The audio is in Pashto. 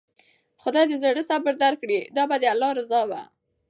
خداى د زړه صبر درکړي، دا به د الله رضا وه.